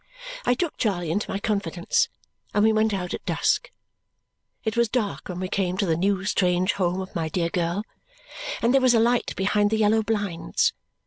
I took Charley into my confidence, and we went out at dusk. It was dark when we came to the new strange home of my dear girl, and there was a light behind the yellow blinds.